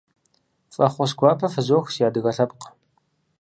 Фӏэхъус гуапэ фызох, си адыгэ лъэпкъ!